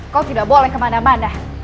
kok tidak boleh kemana mana